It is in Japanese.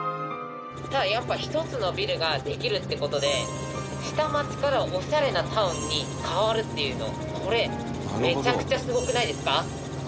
やっぱ１つのビルができるって事で下町からオシャレなタウンに変わるっていうのこれめちゃくちゃすごくないですか？